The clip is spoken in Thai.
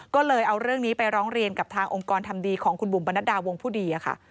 ก็เลยเอาเรื่องนี้ไปร้องเรียนกับทางองค์กรทำดีของคุณบุ๋มปนัดดาวงผู้ดีค่ะ